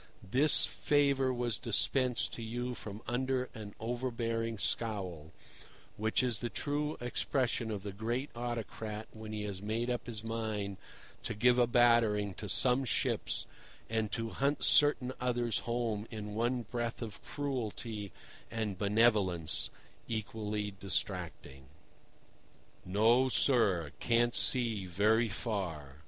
This favour was dispensed to you from under an overbearing scowl, which is the true expression of the great autocrat when he has made up his mind to give a battering to some ships and to hunt certain others home in one breath of cruelty and benevolence, equally distracting. "No, sir. Can't see very far."